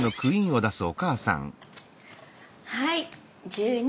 はい１２。